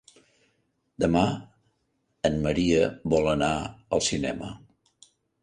Demà en Maria vol anar al cinema.